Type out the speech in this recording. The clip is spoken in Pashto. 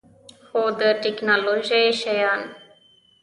هو، د تکنالوژۍ شیان